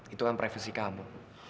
itu kan privisi kamu